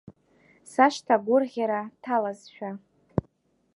Сашҭа агәырӷьара ҭалазшәа.